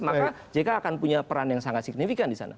maka jk akan punya peran yang sangat signifikan di sana